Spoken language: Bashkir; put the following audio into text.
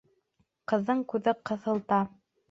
Ҡыҙҙың күҙе ҡыҙылда.